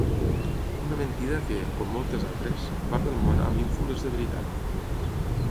Una mentida que, com moltes altres, va pel món amb ínfules de veritat.